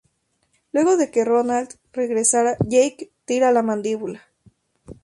Luego de que Roland regresa, Jake tira la mandíbula.